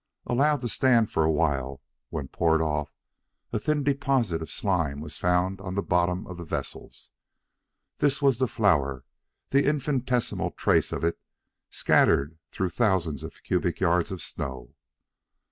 Allowed to stand for a while, when poured off, a thin deposit of slime was found on the bottoms of the vessels. This was the flour, the infinitesimal trace of it scattered through thousands of cubic yards of snow.